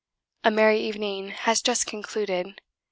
A merry evening has just concluded.